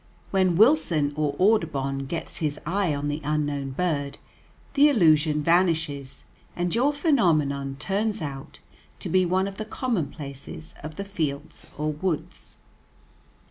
When Wilson or Audubon gets his eye on the unknown bird, the illusion vanishes, and your phenomenon turns out to be one of the commonplaces of the fields or woods.